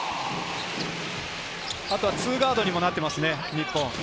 あとはツーガードにもなっていますね、日本。